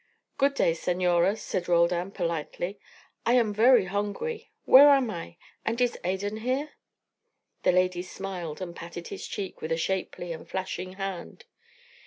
"Good day, senora," said Roldan, politely. "I am very hungry. Where am I? And is Adan here?" The lady smiled and patted his cheek with a shapely and flashing hand.